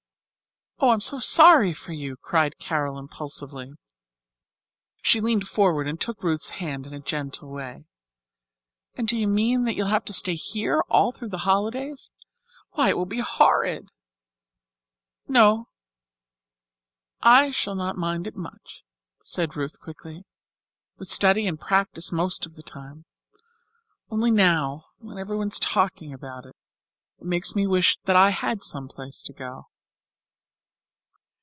"Oh, I'm so sorry for you," cried Carol impulsively. She leaned forward and took Ruth's hand in a gentle way. "And do you mean to say that you'll have to stay here all through the holidays? Why, it will be horrid." "Oh, I shall not mind it much," said Ruth quickly, "with study and practice most of the time. Only now, when everyone is talking about it, it makes me wish that I had some place to go."